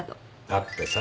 だってさ。